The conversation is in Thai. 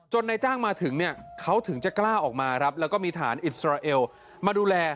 นายจ้างมาถึงเนี่ยเขาถึงจะกล้าออกมาครับแล้วก็มีฐานอิสราเอลมาดูแล